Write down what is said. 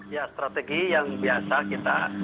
ya strategi yang biasa kita